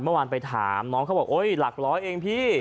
เมื่อวานไปถามน้องเขาบอกโอ๊ยหลักร้อยเองพี่